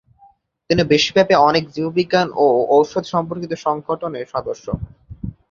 তিনি বিশ্বব্যাপি অনেক জীববিজ্ঞান ও ঔষধ সম্পর্কিত সংগঠনের সদস্য।